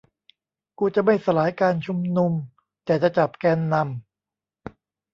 กูจะไม่สลายการชุมนุม แต่จะจับแกนนำ